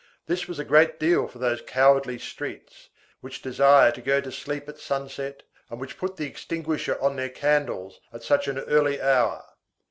This was a great deal for those cowardly streets, which desire to go to sleep at sunset, and which put the extinguisher on their candles at such an early hour.